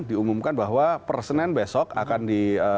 diumumkan bahwa per senin besok akan di